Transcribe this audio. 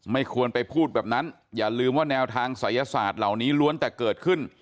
ไม่ควรไปพูดแบบนั้นอย่าลืมว่าแนวทางศัยศาสตร์เหล่านี้ล้วนแต่เกิดขึ้น